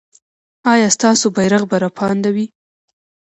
ایا ستاسو بیرغ به رپانده وي؟